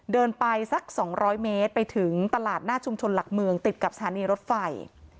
เดินไปสัก๒๐๐เมตรไปถึงตลาดหน้าชุมชนหลักเมืองติดกับสถานีรถไฟ